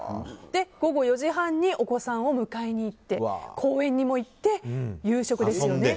午後４時半にお子さんを迎えに行って公園にも行って、夕食ですよね。